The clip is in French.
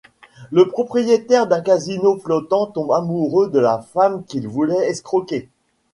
Le propriétaire d'un casino flottant tombe amoureux de la femme qu'il voulait escroquer.